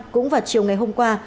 cũng vào chiều ngày hôm qua